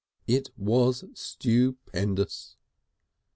It was stupendous!